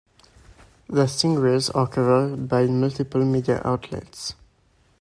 The Stingrays are covered by multiple media outlets.